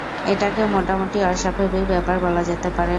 এটাকে মোটামুটি অস্বাভাবিক ব্যাপার বলা যেতে পারে।